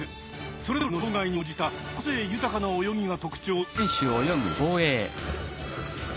それぞれの障がいに応じた個性豊かな泳ぎが特徴の競泳。